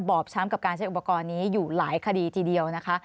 อบช้ำกับการใช้อุปกรณ์นี้อยู่หลายคดีทีเดียวนะคะ